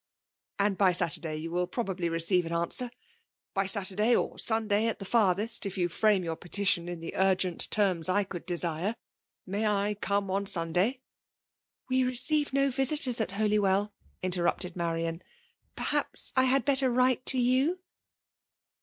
*'*^ And by Saturday you will probably recent as answer; — ^by Saturday or Sunday at flie farthest, if you frame your petition in die urgent terms I could desire. May I oome on Sunday?'* '*' We receive no visitors at Holywell !*' in* terrupCed Marian. ''Perhaps I had better write to you?"